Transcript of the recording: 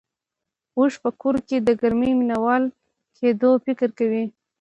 اوښ په کور کې د ګرمۍ مينه وال کېدو فکر کوي.